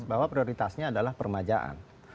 bahwa prioritasnya adalah permajaan